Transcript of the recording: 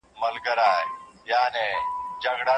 آیا بې جرأته سړی بریالی کیدای سي؟